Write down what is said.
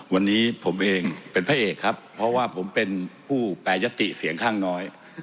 วันนี้ผมเองเป็นพระเอกครับเพราะว่าผมเป็นผู้แปรยติเสียงข้างน้อย